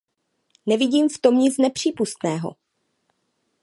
Nevidím v tom nic nepřípustného.